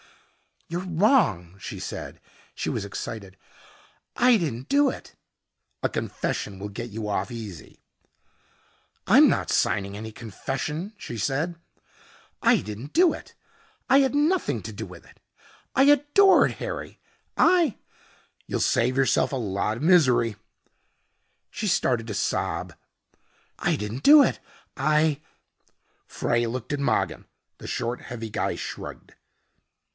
"You're wrong," she said. She was excited. "I didn't do it." "A confession will get you off easy." "I'm not signing any confession," she said. "I didn't do it. I had nothing to do with it. I adored Harry. I " "You'll save yourself a lot of misery " She started to sob. "I didn't do it. I " Frey looked at Mogin. The short, heavy guy shrugged.